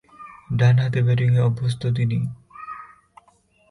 ডানহাতে ব্যাটিংয়ে অভ্যস্ত তিনি।